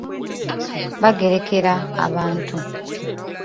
Bagerekera abantu.